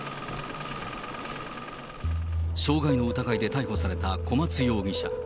傷害の疑いで逮捕された小松容疑者。